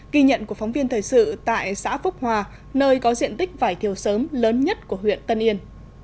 ghi nhận của phóng viên thời sự tại xã phúc hòa nơi có diện tích vải thiều sớm lớn nhất của huyện tân yên